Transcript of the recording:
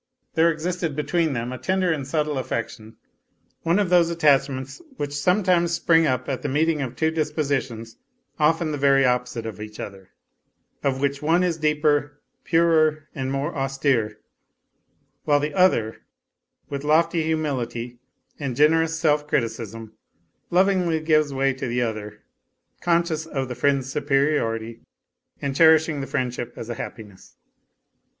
There existed between them a tender and subtle affection, one of those attachments which sometimes spring up at the meeting of two dispositions often the very opposite of each other, of which one is deeper, purer and more austere, while the other, with lofty humility, and generous self criticism, lovingly gives way to the other, conscious of the friend's superiority and cherishing the friendship as a A LITTLE HERO 229 happiness.